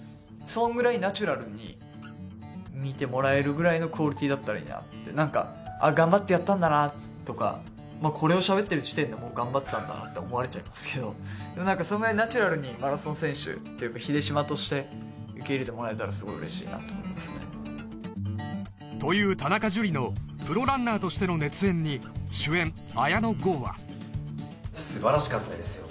そんぐらいナチュラルに見てもらえるぐらいのクオリティーだったらいいなって何かあっ頑張ってやったんだなとかまあこれをしゃべってる時点でもう頑張ったんだなって思われちゃいますけどそんぐらいナチュラルにマラソン選手というか秀島として受け入れてもらえたらすごい嬉しいなと思いますねと言う田中樹のプロランナーとしての熱演に主演綾野剛は素晴らしかったですよ